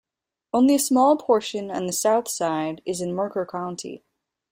Only a small portion on the south side is in Mercer County.